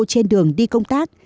trên đường đi công tác